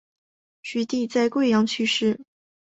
徐的在桂阳去世。